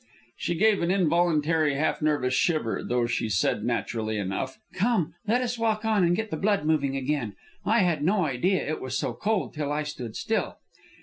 She gave an involuntary, half nervous shiver, though she said, naturally enough, "Come, let us walk on and get the blood moving again. I had no idea it was so cold till I stood still."